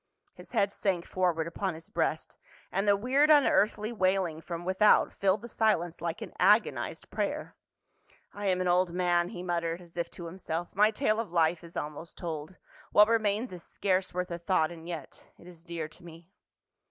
His head sank forward upon his breast, and the weird unearthly wail ing from without filled the silence like an agonized prayer. "I am an old man," he muttered as if to himself, " my tale of life is almost told ; what remains is scarce worth a thought, and yet — it is dear to me."